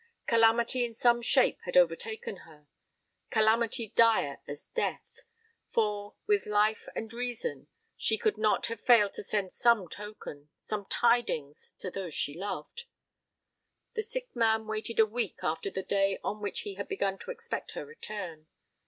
Calamity in some shape had overtaken her calamity dire as death; for, with life and reason, she could not have failed to send some token, some tidings, to those she loved. The sick man waited a week after the day on which he had begun to expect her return.